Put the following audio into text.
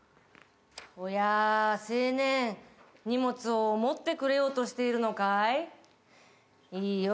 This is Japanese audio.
「おや青年」「荷物を持ってくれようとしているのかい？」